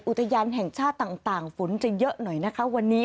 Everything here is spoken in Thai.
อุทยานแห่งชาติต่างฝนจะเยอะหน่อยนะคะวันนี้